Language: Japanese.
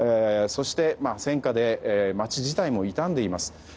そして、戦火で街自体も傷んでいます。